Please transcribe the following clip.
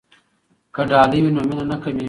که ډالۍ وي نو مینه نه کمېږي.